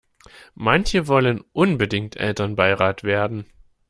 Manche wollen unbedingt Elternbeirat werden.